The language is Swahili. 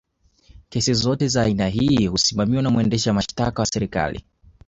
kesi zote za aina hii husimamiwa na mwendesha mashtaka wa serikali